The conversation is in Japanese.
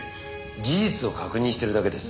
事実を確認しているだけです。